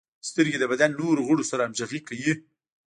• سترګې د بدن نورو غړو سره همغږي کوي.